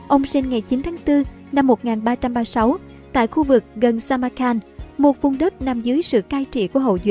ông sinh ngày chín tháng bốn năm một nghìn ba trăm ba mươi sáu tại khu vực gần samacan một vùng đất nằm dưới sự cai trị của hậu du